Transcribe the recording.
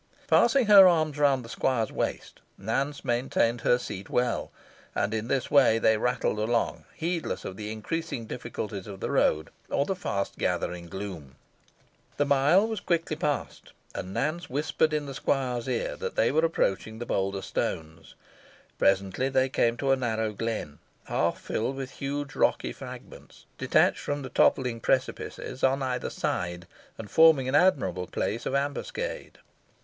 Passing her arms round the squire's waist, Nance maintained her seat well; and in this way they rattled along, heedless of the increasing difficulties of the road, or the fast gathering gloom. The mile was quickly passed, and Nance whispered in the squire's ear that they were approaching the Boulder Stones. Presently they came to a narrow glen, half filled with huge rocky fragments, detached from the toppling precipices on either side, and forming an admirable place of ambuscade.